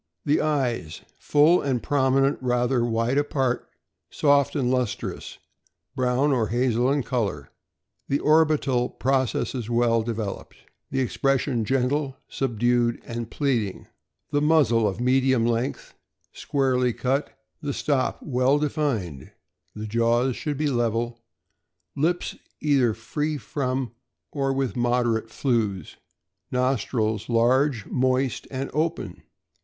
The eyes full and prominent, rather wide apart, soft and lustrous, brown or hazel in color. The orbital processes well developed. The expression gentle, subdued, and pleading. The muzzle of medium length, squarely cut, the stop well defined. The jaws should be level. Lips either free from or with moderate flews. Nostrils large, moist, and open.